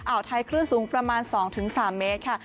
วไทยคลื่นสูงประมาณ๒๓เมตรค่ะ